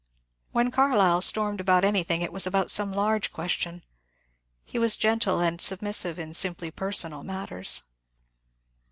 When Carlyle stormed about anything it was about some large question ; he was gentle and submissive in simply personal matters.